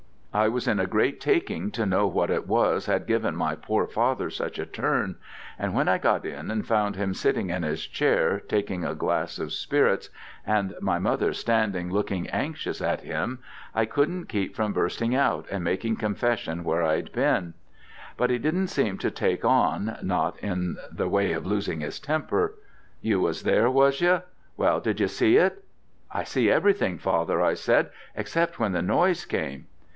"I was in a great taking to know what it was had given my poor father such a turn, and when I got in and found him sitting in his chair taking a glass of spirits, and my mother standing looking anxious at him, I couldn't keep from bursting out and making confession where I'd been. But he didn't seem to take on, not in the way of losing his temper. 'You was there, was you? Well did you see it?' 'I see everything, father,' I said, 'except when the noise came.'